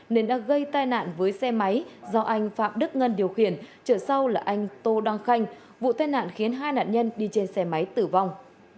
nên đã gây tai nạn với xe máy do anh phạm đức ngân điều khiển trở sau là anh tô đăng khanh vụ tai nạn khiến hai nạn nhân đi trên xe máy tử vong